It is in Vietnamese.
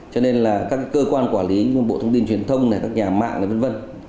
cho nên là các cơ quan quản lý như bộ thông tin truyền thông các nhà mạng v v